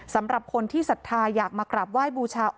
สำหรับคนที่ศรัทธาอยากมากราบไหว้บูชา